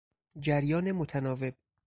جریان متناوب